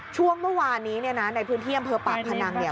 ช่วงเมื่อวานนี้เนี่ยนะในพื้นที่อำเภอปากพนังเนี่ย